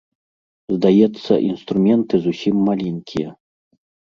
Здаецца, інструменты зусім маленькія.